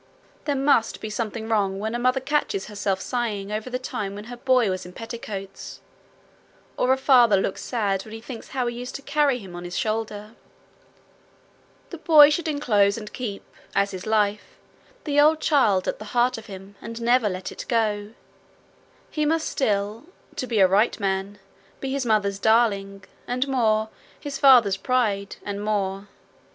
There must be something wrong when a mother catches herself sighing over the time when her boy was in petticoats, or a father looks sad when he thinks how he used to carry him on his shoulder. The boy should enclose and keep, as his life, the old child at the heart of him, and never let it go. He must still, to be a right man, be his mother's darling, and more, his father's pride, and more.